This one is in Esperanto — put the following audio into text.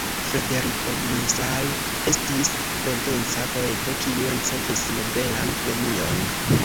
Frederiko Mistral estis provenca poeto, kiu ricevis nobelan premion.